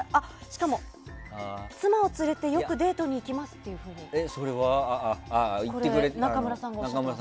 しかも妻を連れてよくデートに行きますとナカムラさんが。